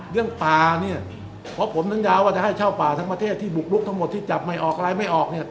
เรื่องป่าเนี่ยเพราะผมสัญญาว่าจะให้เช่าป่าทั้งประเทศที่บุกลุกทั้งหมดที่จับไม่ออกอะไรไม่ออกเนี่ย